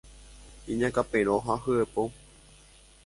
Iñakãperõ ha hyepo